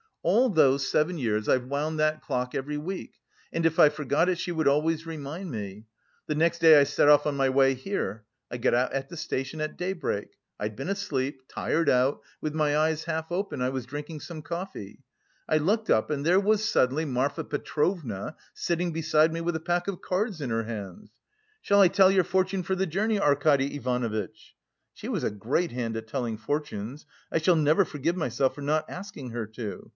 All those seven years I've wound that clock every week, and if I forgot it she would always remind me. The next day I set off on my way here. I got out at the station at daybreak; I'd been asleep, tired out, with my eyes half open, I was drinking some coffee. I looked up and there was suddenly Marfa Petrovna sitting beside me with a pack of cards in her hands. 'Shall I tell your fortune for the journey, Arkady Ivanovitch?' She was a great hand at telling fortunes. I shall never forgive myself for not asking her to.